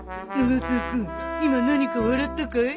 永沢君今何か笑ったかい？